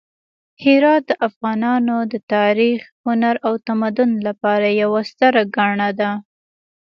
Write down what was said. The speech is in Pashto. هرات د افغانانو د تاریخ، هنر او تمدن لپاره یوه ستره ګاڼه ده.